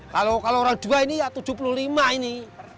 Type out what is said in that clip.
kalau orang dua ini ya tujuh puluh lima ini